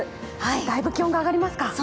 だいぶ気温が上がりますか？